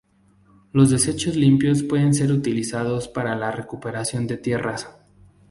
Los desechos limpios pueden ser utilizados para la recuperación de tierras.